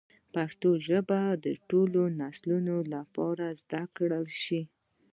پښتو ژبه باید د ټولو نسلونو لپاره زده کړل شي.